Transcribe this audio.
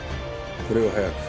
これを速く。